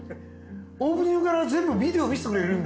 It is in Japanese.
オープニングから全部ビデオ見せてくれるみたいな。